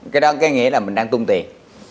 cái đó có nghĩa là mình đang tung tiền